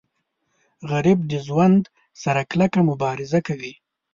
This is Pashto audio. غریب د ژوند سره کلکه مبارزه کوي